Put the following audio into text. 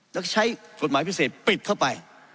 แล้วใช้กฎหมายพิเศษปิดเข้าไป